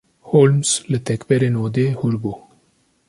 Holmes li tekberên odê hûr bû.